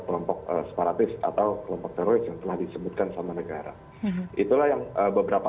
kelompok separatis atau kelompok teroris yang telah disebutkan sama negara itulah yang beberapa